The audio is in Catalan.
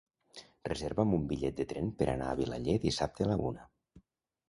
Reserva'm un bitllet de tren per anar a Vilaller dissabte a la una.